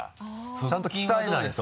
ちゃんと鍛えないと。